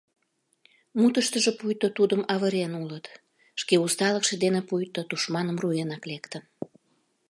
Мутыштыжо пуйто тудым «авырен улыт», шке усталыкше дене пуйто «тушманым руэнак лектын».